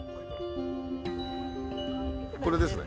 これですね。